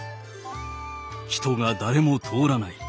「人が誰も通らない。